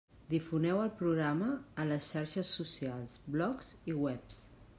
Difoneu el programa a les xarxes socials, blogs i webs.